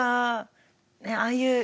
ああいう